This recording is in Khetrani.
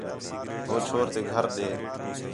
ہو چھور تے گھر ݙے